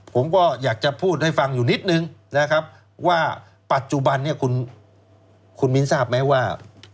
ผมก็อยากจะพูดให้ฟังอยู่นิดหนึ่งว่าปัจจุบันคุณหมินทราบไหมว่า